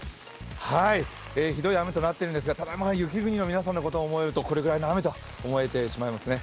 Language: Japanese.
ひどい雨となっているんですが、雪国の皆さんを思うとこれぐらいの雨と思えてしますね。